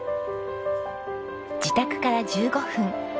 自宅から１５分